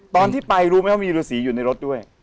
ตอนที่ไปรู้ไหมว่ามีฤษีอยู่ในรถด้วย